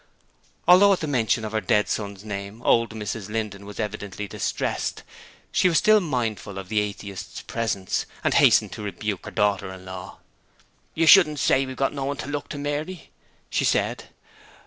Although at the mention of her dead son's name old Mrs Linden was evidently distressed, she was still mindful of the Atheist's presence, and hastened to rebuke her daughter in law. 'You shouldn't say we've got no one to look to, Mary,' she said.